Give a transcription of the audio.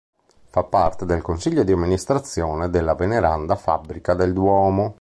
Fa parte del Consiglio di Amministrazione della Veneranda Fabbrica del Duomo.